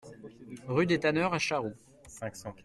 Rue des Tanneurs à Charroux